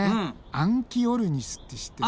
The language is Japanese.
アンキオルニスって知ってる？